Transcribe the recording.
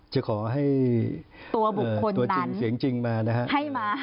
จะขอให้ตัวบุคคลนัส